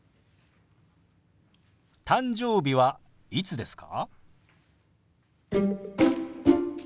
「誕生日はいつですか？」。